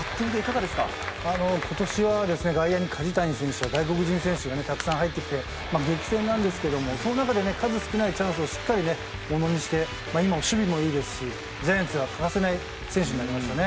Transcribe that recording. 今年は外野に梶谷選手や外国人選手がたくさん入ってきて激戦なんですがその中でも数少ないチャンスを物にして、守備もいいですしジャイアンツには欠かせない選手になりましたね。